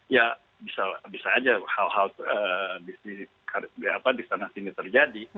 ya bisa aja hal hal di sana sini terjadi